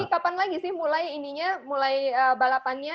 ini kapan lagi mulai ini mulai balapannya